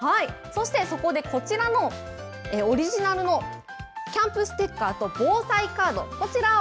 そしてここでこちらのオリジナルのキャンプステッカーと防災カード